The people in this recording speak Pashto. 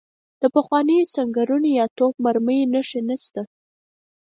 د پخوانیو سنګرونو یا توپ مرمۍ نښې نشته.